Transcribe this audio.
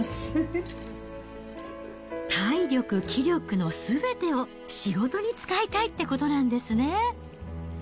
体力、気力のすべてを仕事に使いたいってことなんですね。